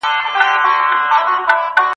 سره زر ارزانه نه دي.